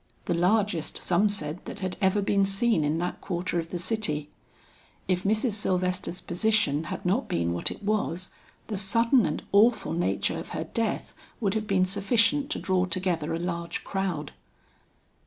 The largest some said that had ever been seen in that quarter of the city. If Mrs. Sylvester's position had not been what it was, the sudden and awful nature of her death, would have been sufficient to draw together a large crowd.